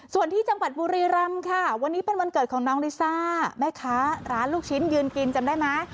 ส่วนที่จังหวัดบุรีรำค่ะวันนี้เป็นวันเกิดของน้องลิซ่าแม่ค้าร้านลูกชิ้นยืนกินจำได้ไหม